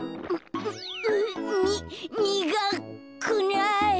ににがくない。